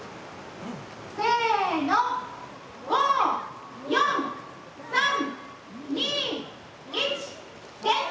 せの５４３２１点灯！